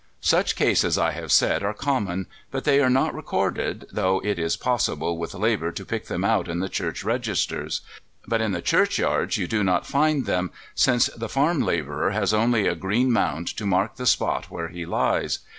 Such cases, I have said, are common, but they are not recorded, though it is possible with labour to pick them out in the church registers; but in the churchyards you do not find them, since the farm labourer has only a green mound to mark the spot where he lies.